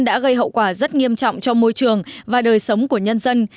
đã gây hậu quả rất nghiêm trọng cho môi trường và đời sống của nhân dân